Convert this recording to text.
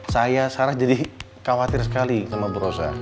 saya sarah jadi khawatir sekali sama bu rosa